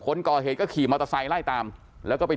จนกระทั่งหลานชายที่ชื่อสิทธิชัยมั่นคงอายุ๒๙เนี่ยรู้ว่าแม่กลับบ้าน